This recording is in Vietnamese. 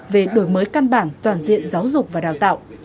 về đổi mới căn bản toàn diện giáo dục và đào tạo